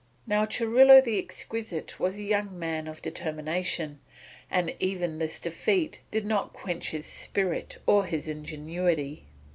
Now Churilo the Exquisite was a young man of determination, and even this defeat did not quench his spirit or his ingenuity.